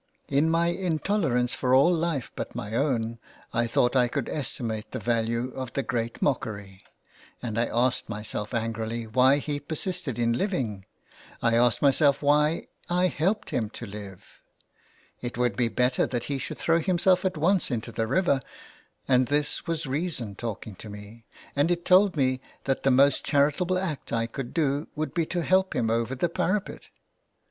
In my intolerance for all life but my own I thought I could estimate the value of the Great Mockery, and I asked myself angrily why he persisted in living. I asked myself why I helped him to live. It would be better that he should throw himself at once into the river. And this was reason talking to me, and it told me that the most charitable act I could do would be to help him 272 ALMS GIVING. over the parapet.